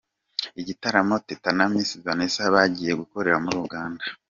Igitaramo Teta na Miss Vanessa bagiye gukorera muri Uganda.